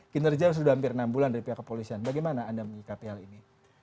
kinerja sudah hampir enam bulan dari pihak kepolisian bagaimana anda mengikapi hal ini